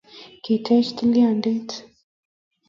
Kiteche tilyandit